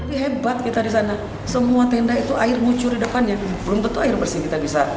ini hebat kita di sana semua tenda itu air muncul di depannya belum tentu air bersih kita bisa